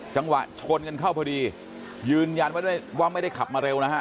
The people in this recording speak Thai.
จังหวะชนกันเข้าพอดียืนยันว่าด้วยว่าไม่ได้ขับมาเร็วนะฮะ